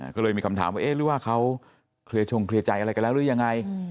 ก็เลยมีคำถามว่าเอ๊ะหรือว่าเขาเคลียร์ชงเคลียร์ใจอะไรกันแล้วหรือยังไง